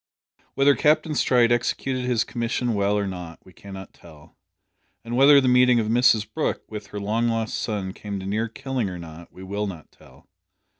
Whether Captain Stride executed his commission well or not we cannot tell, and whether the meeting of Mrs Brooke with her long lost son came to near killing or not we will not tell.